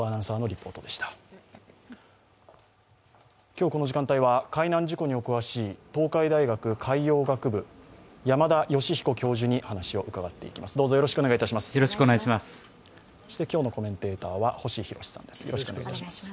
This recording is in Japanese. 今日、この時間帯は海難事故にお詳しい、東海大学海洋学部、山田吉彦教授に話を伺っていきます。